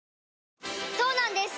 そうなんです